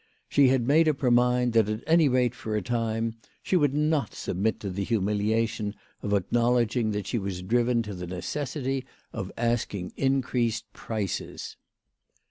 She had made up her mind that, at any rate for a time, she would not submit to the humiliation of acknowledging that she was driven to the necessity of asking increased prices.